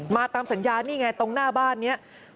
ตามสัญญานี่ไงตรงหน้าบ้านนี้